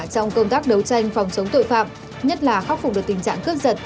trong công tác đấu tranh phòng chống tội phạm nhất là khắc phục được tình trạng cướp giật